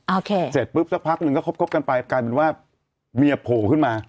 โอเคเสร็จปุ๊บสักพักหนึ่งก็คบกันไปกลายเป็นว่าเมียโผล่ขึ้นมา